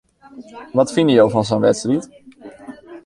Wat fine jo fan sa'n wedstriid?